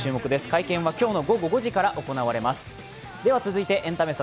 会見は今日の午後５時から行われます。